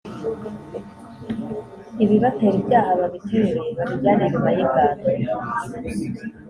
Ibibatera ibyaha babiterure babijyane inyuma y’ingando